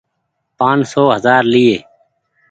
پآن سو هزآر ليئي۔